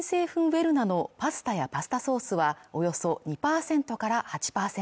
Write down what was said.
ウェルナのパスタやパスタソースはおよそ２％から８％